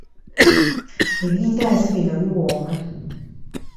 Ebindaazi bino biwooma.